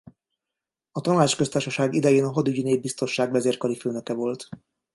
A Tanácsköztársaság idején a hadügyi népbiztosság vezérkari főnöke volt.